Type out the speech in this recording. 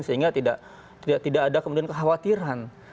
sehingga tidak ada kemudian kekhawatiran